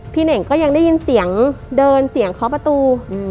เน่งก็ยังได้ยินเสียงเดินเสียงเคาะประตู